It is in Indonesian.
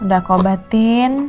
udah aku obatin